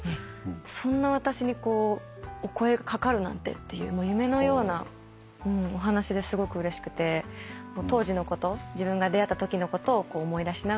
そんな私にお声が掛かるなんてっていう夢のようなお話ですごくうれしくて当時のこと自分が出会ったときのことを思い出しながら作りました。